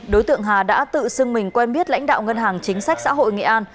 đối tượng hà đã tự xưng mình quen biết lãnh đạo ngân hàng chính sách xã hội nghệ an